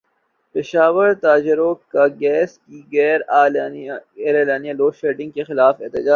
پشاور تاجروں کا گیس کی غیر اعلانیہ لوڈشیڈنگ کیخلاف احتجاج